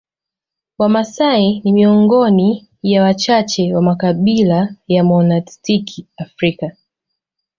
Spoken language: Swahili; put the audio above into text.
Wamasai ni miongoni ya wachache wa makabila ya Monastiki Afrika